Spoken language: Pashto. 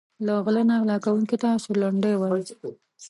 له غله نه غلا کونکي ته سورلنډی وايي.